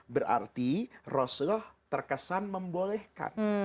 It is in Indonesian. berarti rasulullah terkesan membolehkan